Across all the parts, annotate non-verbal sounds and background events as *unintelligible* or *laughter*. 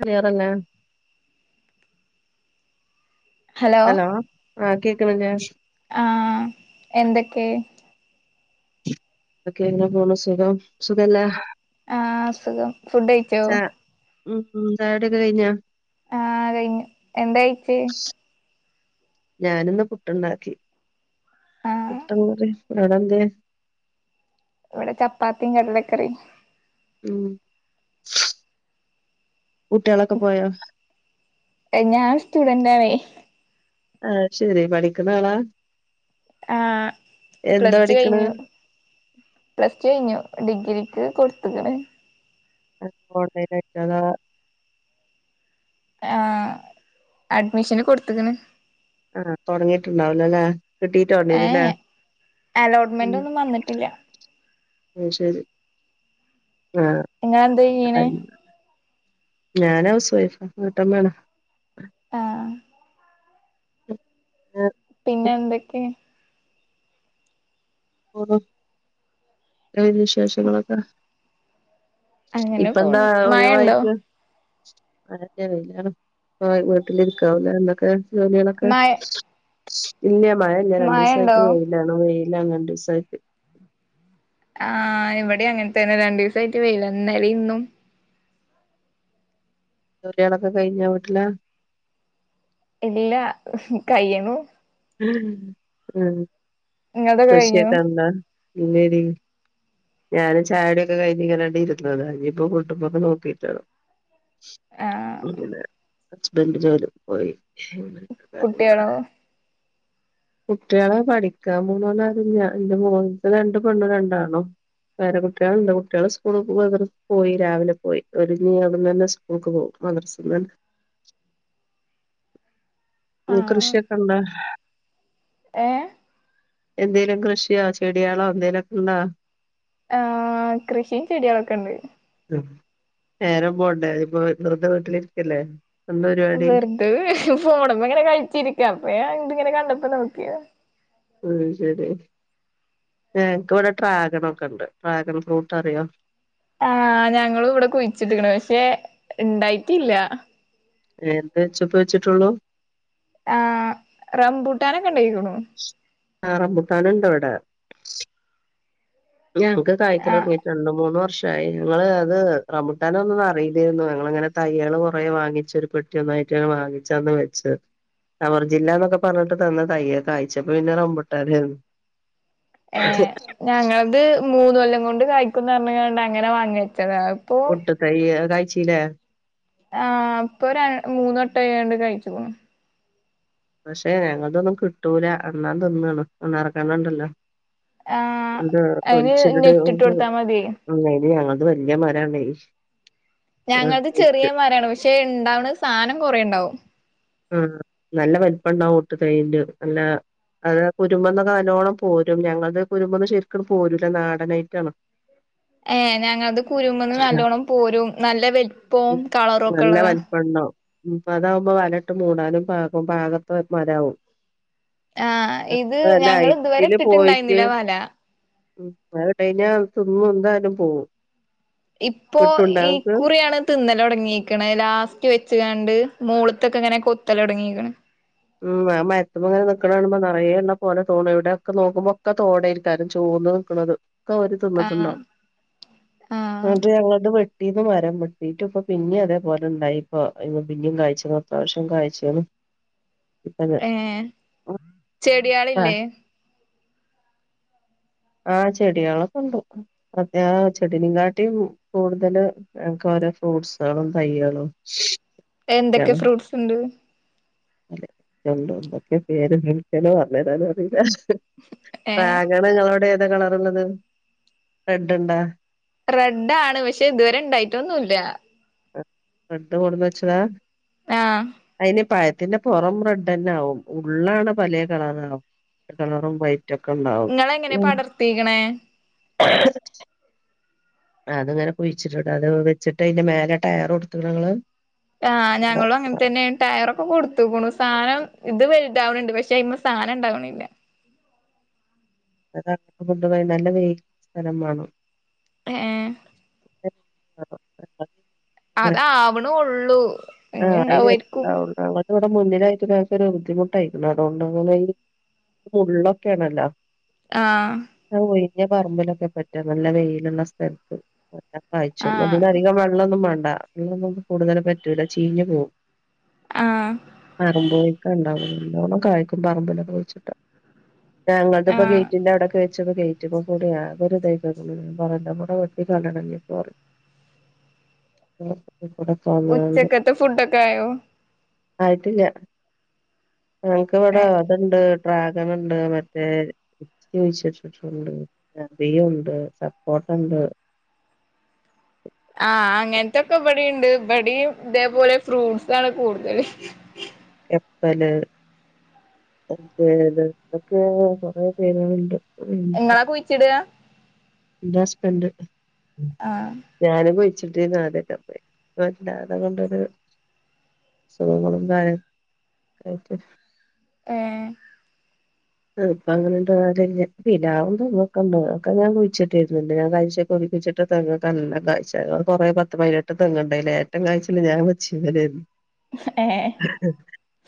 അറിയാറല്ലേ hello ആ കേക്കണില്ലേ ആ എന്തൊക്കെ അതക്കെ ങ്ങന പോണ സുഖം സുഖല്ല ആ സുഖം ഫുഡ് കഴിച്ചോ ഉന്താവിടെക്കെ കഴിഞ്ഞാ ആ കയ്ഞ്ഞു എന്താ കയിച്ച് ഞാനിന്ന് പുട്ടുണ്ടാക്കി. ആഹ് അതെന്തേ? ഇവിടെ ചപ്പാത്തി കടലക്കറി ഉം കുട്ടിളൊക്കെ പോയോ? അ ഞാൻ സ്റ്റുഡന്റണേ. ക്കനാളാ. ആ പ്ലസ് ടു പഠിക്കണ് കഴിഞ്ഞു. പ്ലസ് ടു കഴിഞ്ഞു ഡിഗ്രി ത് കൊടുത്തക്ണ് അ ഓൺലൈനആയിട്ട് അതോ? ആ അഡ്മിഷന് കൊടുത്തക്കണ് ആ തൊടങ്ങിട്ടുണ്ടാവലോ ല്ലേ? കിട്ടീട്ടോവേണ്ടരും ല്ലേ. ഏഹ് അലോട്ട്മെന്റ് ഒന്നും വന്നിട്ടില്ല ഉം ശരി. ആ ഇങ്ങള് എന്താ ഇയ്യ്ണ്. ഞാന് ഹൗസ് വൈഫാ വീട്ടമ്മാണ്. ആഹ് ഉം പിന്നെ എന്തൊക്കെ? ഓ വിശേഷങ്ങളൊക്കെ? അങ്ങനെ ഇപ്പ എന്താ പോണ് മഴണ്ടോ ഒഴിവായിക്ക. *unintelligible* ഇപ്പൊ വീട്ടിലിരിക്കാവും ലെ എന്തൊക്കെ ജോലികളൊക്കെ. മഴ ഇല്ല മഴ ഇല്ല രണ്ടീസായിട്ട് മഴണ്ടോ വെയിയിലണ് വെയില രണ്ടീസായിട്ട്. ആ ഇവിടെ അങ്ങന തന്നെ രണ്ടീസായിട്ട് വെയില്ന്നെ ഇന്നും. ജോലിയാളൊക്കെ കഴിഞ്ഞ വീട്ടില്. ഇല്ല കയ്യണു. ഉം ഇങ്ങൾതൊക്കെ കഴിഞ്ഞോ ഷിയക്കാന്താ പിന്നേടി. ഞാന്ചായടിയൊക്കെ കഴിഞ്ഞീങ്ങനെണ്ടി ഇരുന്നത ഇനിയിപ്പോ *unintelligible* നോക്കിട്ട് വേണം. ആഹ് *unintelligible* ഹസ്ബന്റ് ജോലിക്ക് പോയി. *unintelligible* കാര്യങ്ങള്. കുട്ട്യാളോ കുട്ടികളെ പഠിക്കാൻ പോണൊണ് ആരൂല്ല ന്റെ മോളിതെ രണ്ട് പെണ്ണും രണ്ട് ആണും. പേര കുട്ടികളുണ്ട് കുട്ടിയാള് സ്കൂളി പോവാൻ തുടങ്ങി. പോയി രാവിലെ പോയി ഒര് ഇഞ്ഞി അവ്ട്ന്ന് തന്നെ സ്കൂൾക്ക് പോവും. മദ്റസിന്ന് തന്നെ. *inaudible* ഉം ആഹ് കൃഷിയൊക്കെ ഇണ്ടോ? ഏഹ് എന്തേലും കൃഷിയാ ചെടിയാളോ എന്തേലുംക്കണ്ടോ? ആഹ് കൃഷിം ചെടിളൊക്കെ ഇണ്ട്. നേരം പോണ്ടേ? ഇപ്പൊ വെറ്തെ വീട്ടിലിരിക്കല്ലേ? എന്താ പരിപാടി വെറുത വീ ഫോണമ്മ ഇങ്ങനെ കഴിച്ചിരിക്ക. അപ്പ ഇത്ങ്ങനെ കണ്ടപ്പോ നോക്കിയ. ഉം ശരി എനക്ക് ഇവിടെ ട്രാഗൺ ഒക്കെ ഉണ്ട്. ഡ്രാഗൺ ഫ്രൂട്ട് അറിയോ? ആഹ് ഞങ്ങളും ഇവിടെ കുഴിച്ചിടുക്കണ് പക്ഷെ ഇണ്ടായിട്ടില്ല. എന്താ *unintelligible* വെച്ചിട്ടുള്ളൂ. ആഹ് റംബുട്ടാന ആ റമ്പുട്ടാന്ണ്ട് ഇവിടെ. ഞങ്ങക്ക് ആഹ് കായക്കലൊടങ്ങിട്ട് രണ്ട് മൂന്ന് വർഷം *unintelligible* ങ്ങള് അത് റമ്പുട്ടാനന്നൊന്ന് അറിലാരുന്നു ഞങ്ങളങ്ങനെ തയ്യള് കുറേ വാങ്ങിച്ച് ഒരു പെട്ടിയ ഒന്നായിട്ട്. ട്ട് വാങ്ങിച്ചാന്ന് വെച്ചത്. സവർജില്ലന്നൊക്കെ പറഞ്ഞിട്ട് തന്ന തയ്യ കായ്ച്ചപ്പോ പിന്നെ റംബൂട്ടാനായിന്നു. ഏ ഞങ്ങളത് മൂന്ന് കൊല്ലം കൊണ്ട് കായ്ക്കുംന്ന് പറഞ്ഞുങ്ങണ്ട അങ്ങനെ വാങ്ങി വെച്ചതാ അത്പ്പോ ഒട്ട് തൈ കഴിച്ചില്ലേ ആ ഇപ്പൊ ര മൂന്നട്ട യോണ്ട് കയ്ച്ച്ക്ണ് പക്ഷെ ഞങ്ങൾതൊന്നും കിട്ടൂല അണ്ണാ തിന്നാണ് അണ്ണാറക്കണ്ണൻ ണ്ടല്ലോ ആഹ് എന്താ അയിന് തൊലിച്ചത് നെറ്റ് ഇട്ട് *unintelligible* കൊടുത്താ മതിയേ ത് വെല്ല്യ മരാണെ ഞങ്ങൾത് ചെറിയമാരാണ് പക്ഷെ ഇണ്ടാവണ സാനം കൊറെണ്ടാവും ആ നല്ല വൽപ്പണ്ടാവും ഒട്ട് തൈയ്യിൻ്റെ അല്ല അതിന് കുരുമെന്നൊക്കെ നല്ലോണം പോരും ഞങ്ങൾ ത് കുരുമെന്ന് ശരിക്കണ്ട് പോരൂല്ല നാടനായിട്ടാണ് ഏ ഞങ്ങൾത് കുരുമ്ന്ന് നല്ലോണ്ണം. പോരും നല്ല വെല് പ്പൊം കള റൊക്കെ ള്ളതാ ഉം പതാകുമ്പോ വലട്ട് മൂടാനും പാകം പാകത്തെ മരാവും. ആഹ് *unintelligible* ഇത് നല്ല ഞങ്ങള് ഇതുവരെ ഐറ്റില് പോയിട്ട് ഇട്ടിട്ടുണ്ടായിരുന്നില്ല വല *unintelligible* എവിടെത്ത്ന്നന്താലും പോവും ഇപ്പോ കിട്ടുണ്ടോ ഇങ്ങക്ക് ഇകുറിയാണ് തിന്നലൊട്ങ്ങിക്ക്ണെ ലാസ്റ്റ് വെച്ച് കാണ്ട് മോള്ത്തൊക്കെ ങ്ങനെ കൊത്ത ലൊട്ങ്ങിക്ണ് ഉം ആ മര്ത്ത്മെങ്ങനെ നിക്കണ കാണുമ്പോ നറേണ്ണ പോലെ തോന്നും ഇവടെക്കെ നോക്കുമ്പോക്കെ തോടേ ര്ക്കാരം ചോ കൊണ്ടോയി വെക്ക്ണത് ഒക്കവര് ആഹ് തിന്ന്ട്ട്ണ്ടാവും ആഹ് ഇങ്ങട്ട് അങ്ങട്ട് വെ ടീന്ന് മരം വെട്ടീറ്റ് പ്പം പിന്നിം അതേപോലെഉണ്ടായിപ്പ അയ്‌മെ പിന്നും കയ്ച്ച്ണ് അത്യാവശ്യം കയിച്ച് ണ് ഇപ്പനെ ആ ചെട്യാള്ല്ലേ ആ ചെടികളൊക്കെണ്ട് അത്യാ ചെടിനേക്കാട്ടിം കൂടുതല് ഞക്ക് ഫ്രൂട് സൊളും തൈയ്യളും എന്തൊക്കെ ഫ്രൂട്ട്സ് ണ്ട് അതെണ്ടണ്ടൊക്കെ പേര് എനിക്കെന്നെ പറഞ്ഞു തരാൻ അറിയില്ല ഏഹ് ഡ്രാഗണ് നിങ്ങളോടെ ഏതാ കളറ്ള്ളത് റെഡ്ണ്ടാ റെഡ ആാണ് പക്ഷെ ഇതുവരെ ഇണ്ടായിട്ടൊ ഒന്നുംല്ല പട്ത്ത് കൊട്ന്ന് വെച്ചതാ ആഹ് അയിന് പായ തിന്റെ പൊറം റെസെന്നാവും ഉള്ളാണ് പലേ കളറാകും റെഡ് കളറും വൈ *unintelligible* ഉണ്ടാവും ഇങ്ങളെങ്ങനെ പടർത്തിക്ക്ണേ അത്ങ്ങനെ കുഴിച്ചിട്ട്ട്ട് അത് വെച്ചിട്ട് അയിന്റെ മേലെ ടയറൊട്ത്ത്ണൊ ങ്ങള് ആ് ഞങ്ങളും അങ്ങനെ തന്നെയ ടയറൊക്കെ കൊടുത്തുക്കണു സാധനം ഇത് വ ണ്ടാവ്ണ് ണ്ട് പക്ഷെ അയ്മെ സാനണ്ടാവണില്ല അത *unintelligible* ഫുഡ് *unintelligible* നല്ല വെയില് ളള സ്ഥലം മാണം എ ഏ *unintelligible* അതാവണൊള്ളൂ ആ ഇഞ്ഞ് അയ്ന് ഇണ്ടാവായിരിക്കും *unintelligible* ടെ മുന്നിലായിട്ട് ഞങ്ങക്കൊരു ബുദ്ധിമുട്ടായിക്ക്ണ് അതുകൊണ്ടങ്ങനെ ഇ മുള്ളൊക്കെണല്ലോ ആ പറമ്പിലൊക്കെ പറ്റും നല്ല വെയ്ല്ള്ള സ്ഥലത്ത് *unintelligible* കായ്ച്ചും ആഹ് അതിന് അധികം വെള്ളൊന്നും മാ *unintelligible* കൂടുതല് പറ്റൂല്ല ചീഞ്ഞ് പോവും ആഹ് പറമ്പ് വയ്ക്കാ ണ്ടാവും നല്ലോണം കായ്ക്കും. പറമ്പിലൊക്കെ കുഴിച്ചിട്ട ഞങ്ങളത് ആഹ് ഗേറ്റിന്റെ അവിടൊക്കെ വെച്ചത് കൊ ചറ്റപ്പ കൂടി *unintelligible* ഞാൻ പറഞ്ഞ കൂടെ വെട്ടികളണംപ്പ് പറഞ്ഞു ആ തിക്കൂടൊക്കെ വന്ന് ക്കണ്ട് ഫുഡൊക്കായോ ആയിട്ടില്ല ഞനക്ക് ഇവിടാ അത്ണ്ട് ഡ്രാഗണ് ണ്ട് മറ്റേ *unintelligible* കുയ്ച്ചിട്ട്ട്ട്ണ്ട് അബിയുണ്ട് സപ്പോ കണ്ട് *unintelligible* ആ അങ്ങനത്തൊക്കെ ഇവിടേണ്ട് ഇവടേയും ഇതേപോലെ ഫ്രൂട്ടസ് ആണ് കൂടുതൽ പ്പല് അത് ഇതൊക്കെ കൊറേ പേരുകളുണ്ട് പിന്നെ നിങ്ങളാ കുഴിച്ചിടുക എന്റെ ഹസ്ബന്റ് ആഹ് ഞാന് പോയി ച്ചിട്ട് ഇന്നാദ്യായിട്ടാ പോയെ അല്ലാതെ കൊണ്ടൊരു സുഖങ്ങളും കാര്യ കയറ്റ് ഏ പ്പം അങ്ങനെ ഉണ്ടാവല് തന്നെ പ്ലിലാവ് തേങ്ങോക്കെണ്ട് അതൊക്കെ ഞാൻ കുഴിച്ചിട്ടിരുന്നുണ്ട് ഞാൻ കഴിച്ച ഴിച്ചിട്ട് തെങ്ങ് ഒക്കെ നല്ല കായ്ച്ചാരുന്നു അത് കൊറേ പത്ത് പതിനെട്ട് തെങ്ങുണ്ടയില് ഏറ്റം കായ്ച്ചല് ഞാൻ വെച്ചതന്നായിരുന്നു ഏഹ്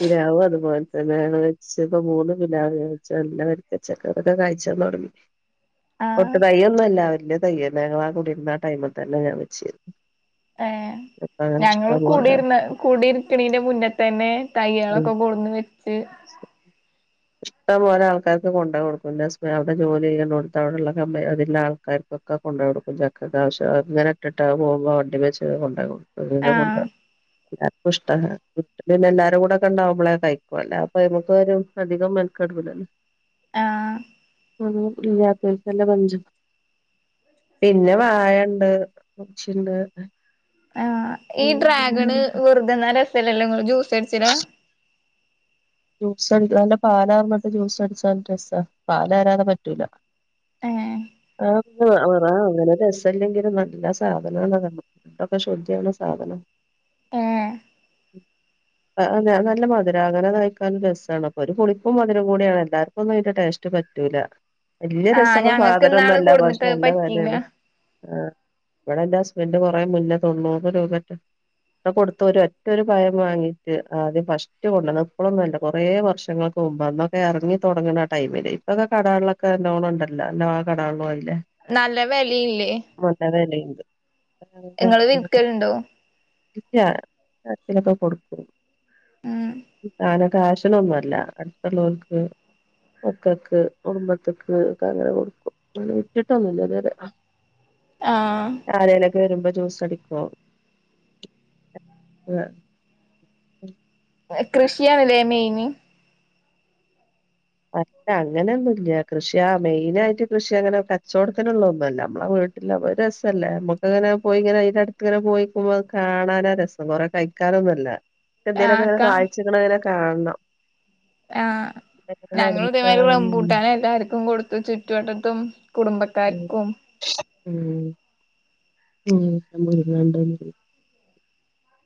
പിലാവും അതുപോലെ തന്നെയാണ് വെച്ചപ്പോ മൂന്ന് പിലാവ വെച്ചയെല്ലാം വരിക്ക ചക്ക അതൊക്കെ കായ്ച്ചാ തൊടങ്ങി പൊട്ടു ആഹ് തയ്യൊന്നും അല്ല വല്യയ തയ്യ് തന്നെ ഇങ്ങളാം കുടിരുന്ന ആ ടൈമിൽ തന്നെ ഞാൻ വെച്ചത് ആ ഞങ്ങൾ ഇഷ്ടം പോലെ കൂടിരുന്ന കൂടിയിരുക്കണീന്റെ മുന്നേ തന്നെ ഉം തയ്യോളൊക്കെ കൊണ്ടന്നു വെച്ച് ഇഷ്ടം പോലെ ആൾക്കാർക്ക് കൊണ്ടോയി കൊടുക്കും ന്റെ ഹസ്ബൻഡ് അവിടെ ജോലി ചെയ്യുന്നടുത്ത് അവടൊള്ള കമ്പനി അതിലെ ആൾക്കാർക്ക് ഒക്കെ കൊണ്ടോയി കൊ ടുക്കും ചക്കക്ക് ആവശ്യം അങ്ങനെ ഇട്ടിട്ട് പോകുമ്പോ വണ്ടി വെച്ച് കൊണ്ടോയി ആഹ് കൊടുക്കും *unintelligible* ഷ്ടാണ് പിന്നെ എല്ലാരും കൂടെ ഒക്കെ ഒണ്ടാവുമ്പളേ കഴിക്കു അല്ല അപ്പൊ നമുക്ക് ഒരു അധികം മെനക്കെടൂലല്ലോ ആഹ് *unintelligible* പിന്നെ വാഴണ്ട് *unintelligible* ച്ചിണ്ട് ആഹ് ഈ ഡ്രാഗണ് വെറുതെ തിന്നാ രസല്ലില്ലേ ങ്ങൾ ജ്യൂസ് അടിച്ചിലാ ജ്യൂസ് നല്ല പാലാർന്നിട്ട് ജ്യൂസ് അടിച്ചാ നല്ല രസാ പാലാരാതെ പറ്റൂല ആ *unintelligible* ആ അങ്ങനെ രസല്ലിങ്കിലും നല്ല സാധനാനതെന്ന് രക്തമൊക്കെ ശുദ്ധിയാവണ സാധനം ആ ആ അതെ നല്ല മധുരാ അങ്ങനെ കഴി ക്കാൻ രസമാണ് അപ്പൊ ഒരു പുളിപ്പും മധുരം കൂടിയാണ് എല്ലാർക്കും ഒന്നും അതിന്റെ ടേസ്റ്റ് പറ്റൂല വലിയ ആഹ് രസമുള്ള ഞങ്ങക്ക് സാധനം ഒന്നും ഇന്നാള് അല്ല പക്ഷെ കൊടുന്നിട്ട് നല്ല പറ്റീല്ല വെലയാണ് ആ ഇവിടെ എന്റെ ഹസ്ബന്റ് കൊറേ മുന്നേ തൊണ്ണൂറ് രൂപ മറ്റോ കൊടുത്ത് ഒരു ഒറ്റൊരു പഴം വാങ്ങീട്ട് ആദ്യം ഫസ്റ്റ് കൊണ്ടുവന്ന് ഇപ്പളൊന്നുമല്ല കുറേ വർഷങ്ങൾക്ക് മുമ്പ് അന്നൊക്കെ എറങ്ങി തുടങ്ങുന്ന ആ ടൈമില് ഇപ്പൊക്കെ കടകളിലൊക്കെ തോനെ ഉണ്ടല്ലോ എല്ലാ ആ കടകളിലും ആയില്ലേ നല്ല വെലയില്ലേ നല്ല വെലയുണ്ട് നിങ്ങള് വിക്കലുണ്ടോ കിട്ടിയ ആർക്കെങ്കിലുമൊക്കെ കൊടുക്കും കൊടുക്കും ഉം താന കാശിനൊന്നുമല്ല അടുത്തുള്ളവർക്ക് മക്കക്ക് കുടുംബത്തക്ക് ഒക്കെ അങ്ങനെ കൊടുക്കും അങ്ങനെ വിറ്റിട്ടൊന്നും ഇല്ല ഇതുവരെ ആഹ് ആരേലൊക്കെ വരുമ്പോ ജ്യൂസ് അടിക്കോ ആ കൃഷിയാണിലേ മെയിന് അല്ല അങ്ങനെയൊന്നുവില്ല കൃഷിയാ മെയിനായിട്ട് കൃഷി അങ്ങനെ കച്ചവടത്തിനുള്ള ഒന്നുമല്ല നമ്മള വീ ട്ടിൽ ഒരു രസല്ലേ നമ്മുക്കങ്ങനെ പോയി ഇങ്ങനെ അയിന്റടുത്ത് ഇങ്ങനെ പോയിക്കുമ്പോ കാണാനാ രസം കുറേ കഴി ക്കാനൊന്നുവല്ല ആഹ് എന്തേലൊക്കങ്ങനെ കാഴ്ചകൾ ഇങ്ങനെ കാണണം ആ ഞങ്ങൾ ഇതുമാതിരി റംബൂട്ടാനെ എല്ലാർക്കും കൊടുത്തു ചുറ്റുവട്ടത്തും കുടുംബക്കാർക്കും ഉം ഉം *unintelligible*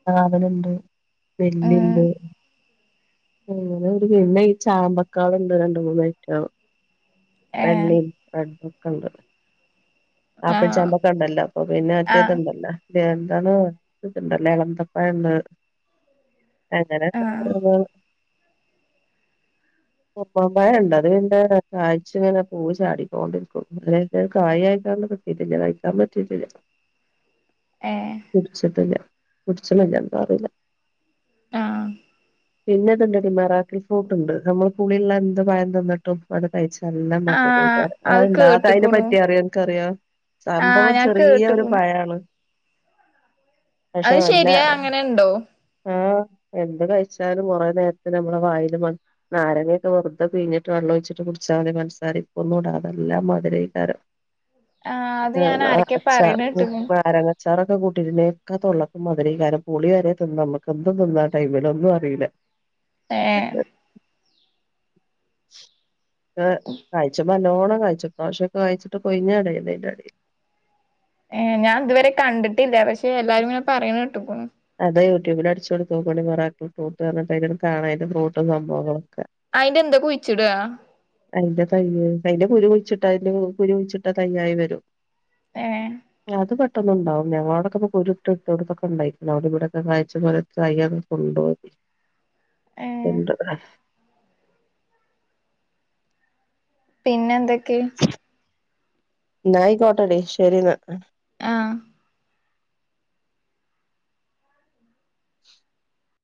പ്ലാവാളുണ്ട് നെല്ലി ഉം ണ്ട് അങ്ങനെ ഒരു പിന്നെ ഈ ചാമ്പക്കാള് ഇണ്ട് രണ്ട് മൂന്ന് ഐറ്റം ഏ വെള്ളേം റെഡും ഒക്കെണ്ട് ആപ്പിൾ ആഹ് ചാമ്പക്ക ഉണ്ടല്ലോ അപ്പൊ പിന്നെ മറ്റേത് ആഹ് ഉണ്ടല്ലോ മറ്റേ എന്താണ് ഇത്ണ്ടല്ലോ ഇളന്തപ്പഴണ്ട് അങ്ങനെണ്ട് ആഹ് ഓരോന്ന്കള് *inaudible* ഉറുമാമ്പഴം ണ്ട് അത് പിന്നെ കായ്ച്ച്ങ്ങനെ പൂവ് ചാടിങ്ങോണ്ടി ഇരിക്കും *unintelligible* *unintelligible* കായ്ക്കാൻ പറ്റീട്ടില്ല ഏ പുടിച്ചിട്ടില്ല പുടിച്ച്ണില്ല എന്താ അറീല ആഹ് പിന്നെ ഇതുണ്ടെടീ മെറാക്കിൾ ഫ്രൂട്ട് ഉണ്ട് നമ്മള് പുളിള്ള എന്ത് പഴം തിന്നിട്ടും അത് കഴിച്ച നല്ല ആഹ് മധുരേക്കാരം അത് അത്ണ്ട് അതിനെ കേട്ട്ക്ക്ണു പറ്റി അറിയോ അൻ ക്കറിയോ ആഹ് സംഭവം ഞാൻ ചെറിയ ഒരു കേട്ട്ക്ക്ണു പഴാണ് പക്ഷെ അത് നല്ല ശെരിയാ അങ്ങനെ ഉണ്ടോ ആഹ് എന്ത് കഴിച്ചാലും കുറേ നേരത്തിന് നമ്മളെ വായില് നാരങ്ങൊക്കെ വെറുതെ പിഴിഞ്ഞിട്ട് വെള്ളം ഒഴിച്ചിട്ട് കുടിച്ചാല് പൻസാരീം ഉപ്പും ഒന്നും ഇടാതെ നല്ല മധുരേക്കാരം ആഹ് അത് ഞാൻ *unintelligible* ആരൊക്കെ പറയ്ണ കേട്ട്ക്ക്ണു അച്ചാറൊക്കെ കൂട്ടീട്ട്ണ്ടെങ്കി ഒക്കെ തൊള്ളക്ക്‌ മധുരം കാരം പുളി വരെ നമ്മക്ക് എന്തും തിന്ന ആ ടൈമില് ഒന്നും അറീല ഏഹ് ആഹ് *unintelligible* നല്ലോണം കായ്‌ച്ച്ക്ക്ണു. പക്ഷെ കായ്ച്ചിട്ട് *unintelligible* ഏഹ് ഞാൻ ഇതുവരെ കണ്ടിട്ടില്ല. പക്ഷെ എല്ലാരും ഇങ്ങനെ പറയുന്ന കേട്ട്ക്കുണു അതെ യൂട്യൂബില് അടിച്ച് കൊടുത്ത് നോക്കാണിം മിറാക്കിൾ ഫ്രൂട്ട്ന്ന് പറഞ്ഞിട്ട് അതിലിങ്ങട്ട് കാണ അതിന്റെ ഫ്രൂട്ടും സംഭവങ്ങളും അയിന്റെ എന്താ കുഴിച്ചിടാ അയ്‌ന്റെ തയ്യ് അതിന്റെ കുരു കുഴിച്ചിട്ട അതിന്റെ കുരു കുഴിച്ചിട്ട തയ്യായി വരും ഏഹ് *unintelligible* ഞങ്ങളോടൊക്കെ കുരു ഇട്ട് ഇട്ട് ഇട്ടോട്ത്തൊക്കെ ഇണ്ടായി അവിടെ ഇവിടേം ഒക്കെ കായ്ച്ച് ഏഹ് *unintelligible* പിന്നെ എന്തൊക്കെ ന്നായിക്കോട്ടെടീ ശരി ന്നാ ആഹ്